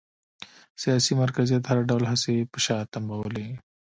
سیاسي مرکزیت هر ډول هڅې یې پر شا تمبولې